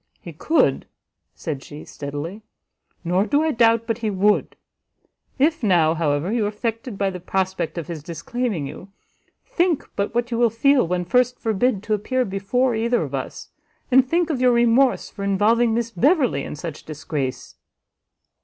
"He could," said she, steadily, "nor do I doubt but he would. If now, however, you are affected by the prospect of his disclaiming you, think but what you will feel when first forbid to appear before either of us! and think of your remorse for involving Miss Beverley in such disgrace!"